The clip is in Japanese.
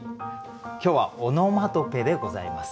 今日は「オノマトペ」でございます。